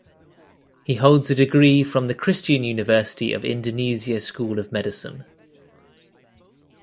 He holds a degree from the Christian University of Indonesia School of Medicine.